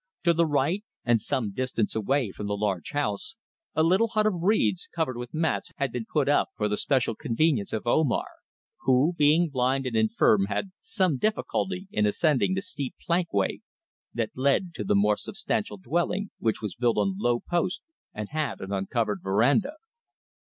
To the right and some small distance away from the large house a little hut of reeds, covered with mats, had been put up for the special convenience of Omar, who, being blind and infirm, had some difficulty in ascending the steep plankway that led to the more substantial dwelling, which was built on low posts and had an uncovered verandah.